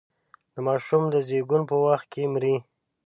د ماشوم د زېږون په وخت کې مري.